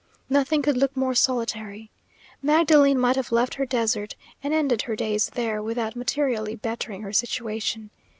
Nothing could look more solitary. Magdalene might have left her desert, and ended her days there, without materially bettering her situation.